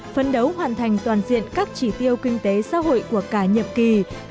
phấn đấu hoàn thành toàn diện các chỉ tiêu kinh tế xã hội của cả nhập kỳ hai nghìn một mươi sáu hai nghìn hai mươi một